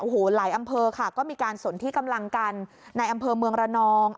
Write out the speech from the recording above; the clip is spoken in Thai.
โอ้โหหลายอำเภอค่ะก็มีการสนที่กำลังกันในอำเภอเมืองระนอง